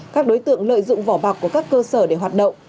các đối tượng lợi dụng vỏ bọc của các cơ sở để hoạt động